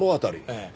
ええ。